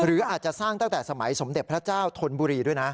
หรืออาจจะสร้างตั้งแต่สมัยสมเด็จพระเจ้าธนบุรีด้วยนะ